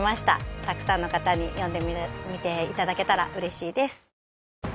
たくさんの方に読んでみて頂けたら嬉しいです。